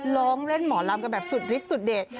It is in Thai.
ร้องเล่นหมอลำกันแบบสุดฤทธสุดเด็ด